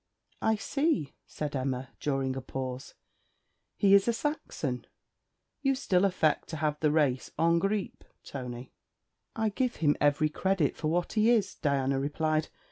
'I see,' said Emma, during a pause; 'he is a Saxon. You still affect to have the race en grippe, Tony.' 'I give him every credit for what he is,' Diana replied.